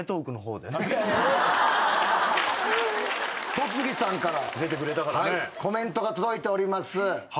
戸次さんからコメントが届いております。